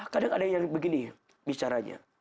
kadang ada yang begini bicaranya